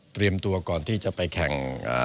เปรียบตัวก่อนที่จะไปแข่ง